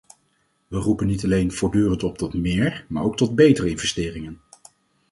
We roepen niet alleen voortdurend op tot meer, maar ook tot betere investeringen.